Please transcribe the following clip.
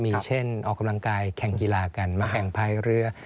มีเช่นออกกำลังกายแข่งกีฬากันมาแข่งพายเรือ